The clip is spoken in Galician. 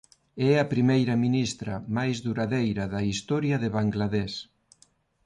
É a primeira ministra máis duradeira da historia de Bangladesh.